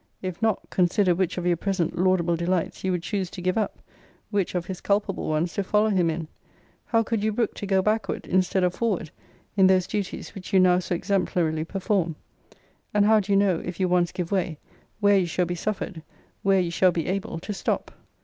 If not, consider which of your present laudable delights you would choose to give up! which of his culpable ones to follow him in! How could you brook to go backward, instead of forward, in those duties which you now so exemplarily perform? and how do you know, if you once give way, where you shall be suffered, where you shall be able, to stop?